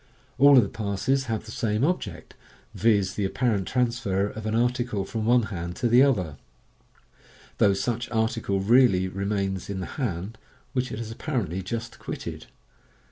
All of the passes have the same object — viz., the apparent transfer of an article from one hand to ihe other, though such article really remains in the hand which it has apparently just quitted.